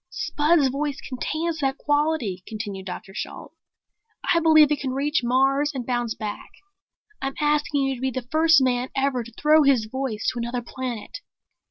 "Spud's voice contains that quality," continued Dr. Shalt. "I believe it can reach Mars and bounce back. I'm asking you to be the first man ever to throw his voice to another planet."